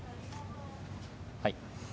はい。